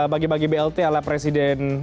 bagi bagi blt ala presiden